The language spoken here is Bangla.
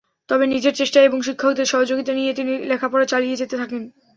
তবে নিজের চেষ্টায় এবং শিক্ষকদের সহযোগিতা নিয়ে তিনি লেখাপড়া চালিয়ে যেতে থাকেন।